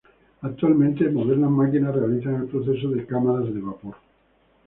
Actualmente modernas máquinas realizan el proceso en cámaras de vapor.